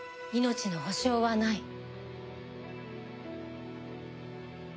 命の保証はない。